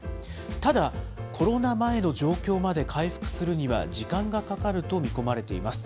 ただ、コロナ前の状況まで回復するには時間がかかると見込まれています。